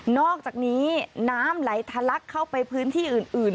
อกจากนี้น้ำไหลทะลักเข้าไปพื้นที่อื่น